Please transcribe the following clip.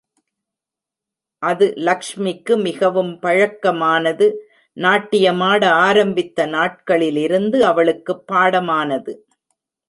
அது லக்ஷ்மிக்கு மிகவும் பழக்கமானது நாட்டியமாட ஆரம்பித்த நாட்களிலிருந்து அவளுக்குப் பாடமானது.